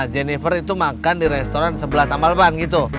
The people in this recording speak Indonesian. jennifer itu makan di restoran sebelah tambal ban gitu